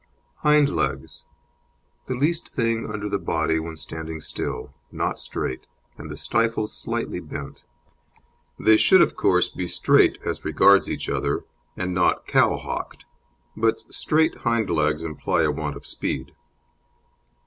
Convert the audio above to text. HIND LEGS The least thing under the body when standing still, not straight, and the stifle slightly bent. They should, of course, be straight as regards each other, and not "cow hocked," but straight hind legs imply a want of speed.